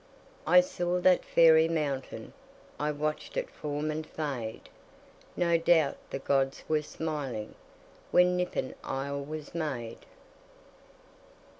I saw that fairy mountain. ... I watched it form and fade. No doubt the gods were smiling, When Nippon isle was made.